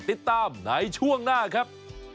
ติดตามในช่วงหน้าครับ